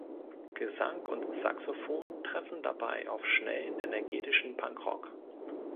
Gesang und Saxophon treffen dabei auf schnellen, energetischen Punkrock.